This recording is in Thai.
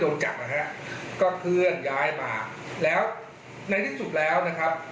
จับนะฮะก็เคลื่อนย้ายมาแล้วในที่สุดแล้วนะครับ